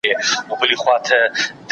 انا خپل عبادت په پوره اخلاص سره کاوه.